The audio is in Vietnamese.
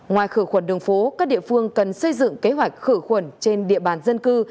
ngoài khử khuẩn đường phố các địa phương cần xây dựng kế hoạch khử khuẩn trên địa bàn dân cư